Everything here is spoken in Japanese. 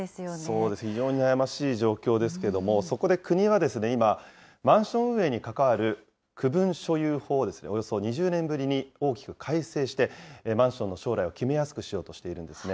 そうです、非常に悩ましい状況ですけども、そこで国は今、マンション運営に関わる区分所有法をおよそ２０年ぶりに大きく改正して、マンションの将来を決めやすくしようとしているんですね。